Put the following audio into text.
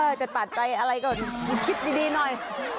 จะตัดใจอะไรก็คิดดีหน่อย